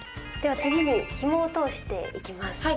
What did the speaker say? では次にひもを通していきます。